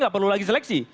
tidak perlu lagi seleksi